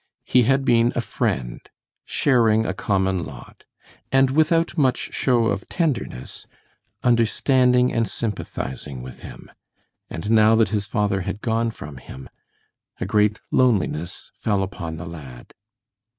He had been a friend, sharing a common lot, and without much show of tenderness, understanding and sympathizing with him, and now that his father had gone from him, a great loneliness fell upon the lad.